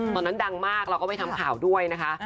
ตอนนั้นดังมากเราก็ไม่ทำข่าวด้วยนะคะ